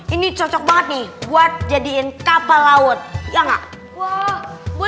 ini cocok banget nih buat jadiin kapal laut ya enggak